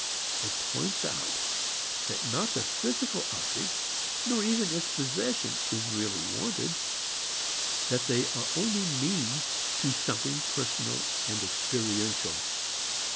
It points out that not the physical object nor even its possession is really wanted; that they are only means to something personal and experiential.